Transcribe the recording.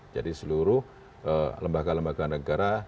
jadi seluruh lembaga lembaga negara